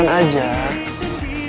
kamu gak bisa bertahan